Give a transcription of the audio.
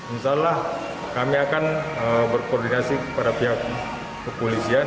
insya allah kami akan berkoordinasi kepada pihak kepolisian